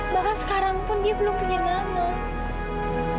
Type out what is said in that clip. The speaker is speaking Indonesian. bahkan sekarang pun dia belum punya nama